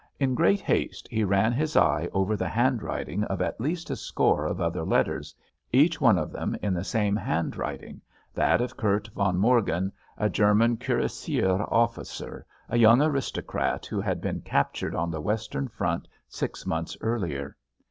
In great haste he ran his eye over the handwriting of at least a score of other letters, each one of them in the same handwriting, that of Kurt von Morgen, a German Cuirassier officer, a young aristocrat who had been captured on the Western Front six months earlier.